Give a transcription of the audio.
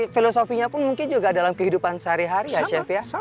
filosofinya pun mungkin juga dalam kehidupan sehari hari ya chef ya